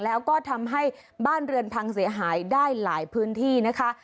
แล้วก็ทำให้บ้านเรือนพังเสียหายได้หลายพื้นที่นะคะ